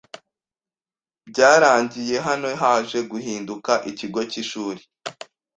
Byarangiye hano haje guhinduka ikigo k’ishuri .